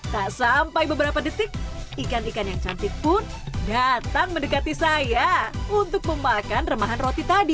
tak sampai beberapa detik ikan ikan yang cantik pun datang mendekati saya untuk memakan remahan roti tadi